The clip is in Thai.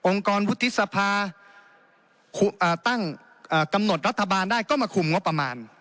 กรวุฒิสภาตั้งกำหนดรัฐบาลได้ก็มาคุมงบประมาณ